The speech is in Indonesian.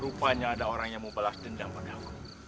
rupanya ada orang yang mau balas dendam pendapat